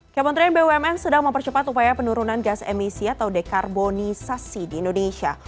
kementerian bumn sedang mempercepat upaya penurunan gas emisi atau dekarbonisasi di indonesia